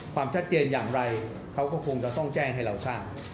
ความชัดเจนอย่างไรเขาก็คงจะต้องแจ้งให้เราทราบ